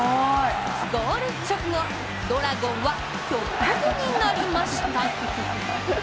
ゴール直後、ドラゴンはひょっとこになりました。